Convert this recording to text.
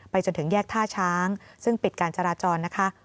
จนถึงแยกท่าช้างซึ่งปิดการจราจรนะคะ